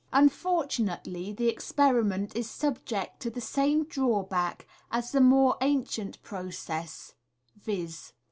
Unfortunately, the experiment is subject to the same drawback as the more ancient process — viz.